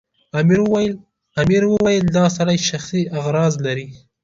امیر وویل دا سړی شخصي اغراض لري.